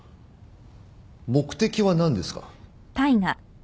目的は何ですか？